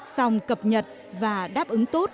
xong cập nhật và đáp ứng tốt